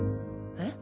えっ？